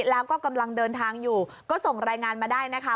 แล้วก็กำลังเดินทางอยู่ก็ส่งรายงานมาได้นะคะ